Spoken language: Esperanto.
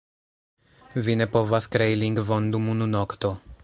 Vi ne povas krei lingvon dum unu nokto.